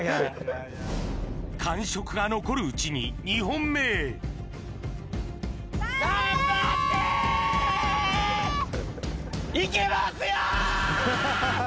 感触が残るうちに２本目へ頑張って！